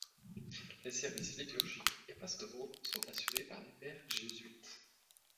Les services liturgiques et pastoraux sont assurés par des pères jésuites.